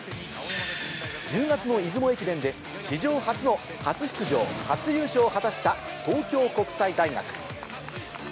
１０月の出雲駅伝で、史上初の初出場初優勝を果たした東京国際大学。